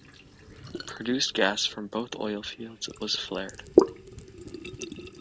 Produced gas from both oil fields was flared.